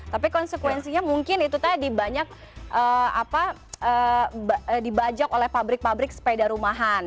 tapi konsekuensinya mungkin itu tadi banyak dibajak oleh pabrik pabrik sepeda rumahan